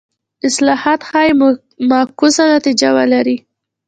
اصلاحات ښايي معکوسه نتیجه ولري.